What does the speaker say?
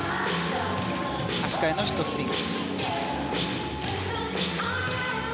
足換えのシットスピン。